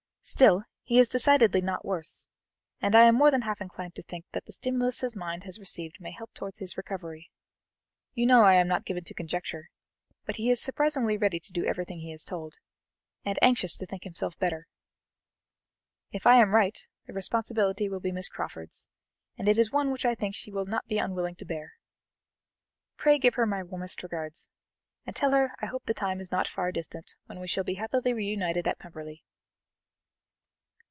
Still, he is decidedly not worse, and I am more than half inclined to think that the stimulus his mind has received may help towards his recovery. You know I am not given to conjecture, but he is surprisingly ready to do everything he is told, and anxious to think himself better. If I am right, the responsibility will be Miss Crawford's, and it is one which I think she will not be unwilling to bear. Pray give her my warmest regards, and tell her I hope the time is not far distant when we shall be happily reunited at Pemberley.'"